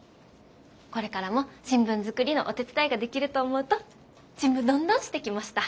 これからも新聞作りのお手伝いができると思うとちむどんどんしてきました！